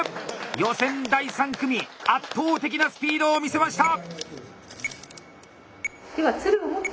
予選第３組圧倒的なスピードを見せました！